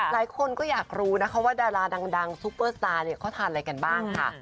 หลายคนก็อยากรู้นะคะว่าดาราดังซุปเปอร์สตาร์เนี่ยเขาทานอะไรกันบ้างค่ะ